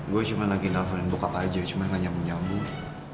gue cuma lagi nelfon buka aja cuma gak nyambung nyambung